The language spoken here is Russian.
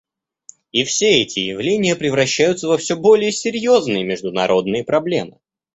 И все эти явления превращаются во все более серьезные международные проблемы.